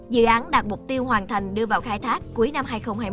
dự án đạt mục tiêu hoàn thành đưa vào khai thác cuối năm hai nghìn hai mươi một